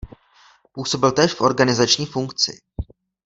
Působil též v organizační funkci.